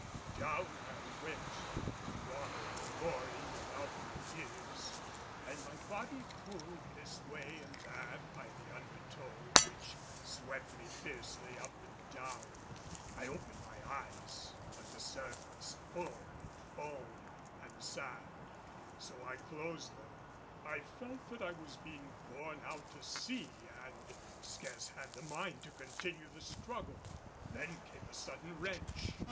Down I went, the water roaring about my ears and my body pulled this way and that by the undertow which swept me fiercely up and down. I opened my eyes, but the surf was full of foam and sand, so I closed them. I felt that I was being borne out to sea, and scarce had the mind to continue the struggle. Then came a sudden wrench.